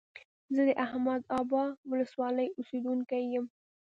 زه د احمد ابا ولسوالۍ اوسيدونکى يم.